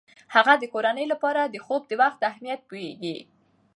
هغې د کورنۍ لپاره د خوب د وخت اهمیت پوهیږي.